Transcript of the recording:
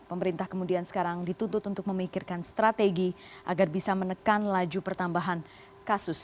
pemerintah kemudian sekarang dituntut untuk memikirkan strategi agar bisa menekan laju pertambahan kasus